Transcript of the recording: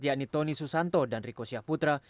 yakni tony susanto dan riko syaputra